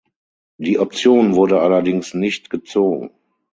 Die Option wurde allerdings nicht gezogen.